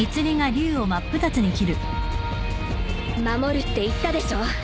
守るって言ったでしょ。